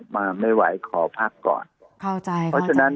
มาไม่ไหวขอพักก่อนเพราะฉะนั้น